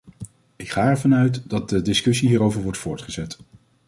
Ik ga ervan uit dat de discussie hierover wordt voortgezet.